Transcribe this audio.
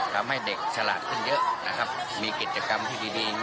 ทำให้เด็กฉลาดขึ้นเยอะนะครับมีกิจกรรมที่ดี